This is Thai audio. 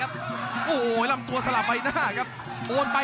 รับทราบบรรดาศักดิ์